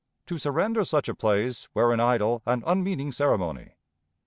... To surrender such a place were an idle and unmeaning ceremony.